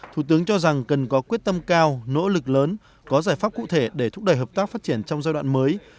thủ tướng cho rằng cần có quyết tâm cao nỗ lực lớn có giải pháp cụ thể để thúc đẩy hợp tác phát triển trong giai đoạn mới